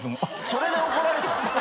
それで怒られた？